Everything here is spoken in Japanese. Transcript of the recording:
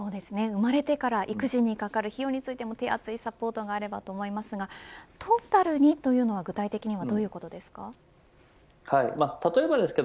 生まれてから育児にかかる費用についても手厚いサポートがあればと思いますがトータルにというのは具体的にどういうことですか。